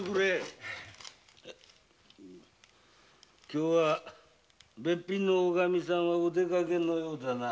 今日はベッピンのおカミさんはお出かけのようだな。